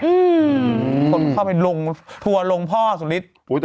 ว่าเข้าไปทัวรงพ่อสูงฬิษฐ์